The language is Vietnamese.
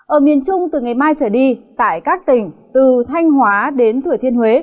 ở miền trung từ ngày mai trở đi tại các tỉnh từ thanh hóa đến thừa thiên huế